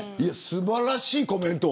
素晴らしいコメント。